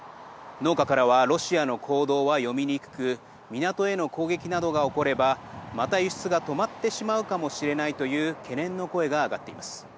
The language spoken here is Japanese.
農家からはロシアの行動は読みにくく港への攻撃などが起こればまた、輸出が止まってしまうかもしれないという懸念の声が上がっています。